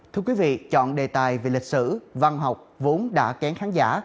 thưa quý vị chọn đề tài về lịch sử văn học vốn đã kén khán giả